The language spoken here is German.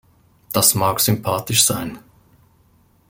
Das mag sympathisch sein.